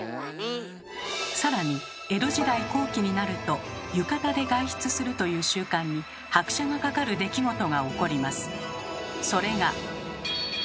さらに江戸時代後期になると「浴衣で外出する」という習慣に拍車がかかる出来事が起こります。